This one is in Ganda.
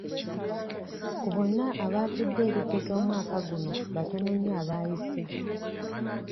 Ku bonna abaatudde ebigezo omwaka guno batono nnyo abaayise.